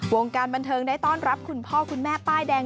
วงการบันเทิงได้ต้อนรับคุณพ่อคุณแม่ป้ายแดง